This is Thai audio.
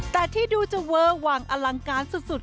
แต่ที่ดูจะเวอร์วางอลังการสุด